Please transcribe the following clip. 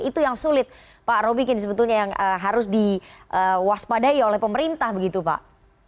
itu yang sulit pak robikin sebetulnya yang harus diwaspadai oleh pemerintah begitu pak